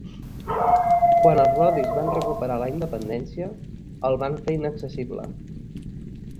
Quan els rodis van recuperar la independència, el van fer inaccessible.